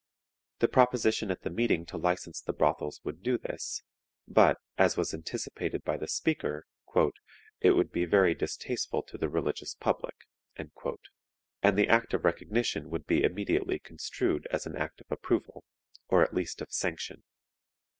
The proposition at the meeting to license the brothels would do this, but, as was anticipated by the speaker, "it would be very distasteful to the religious public," and the act of recognition would be immediately construed as an act of approval, or at least of sanction.